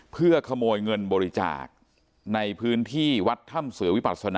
เพื่อขโมยเงินบริจาคในพื้นที่วัดถ้ำเสือวิปัศนา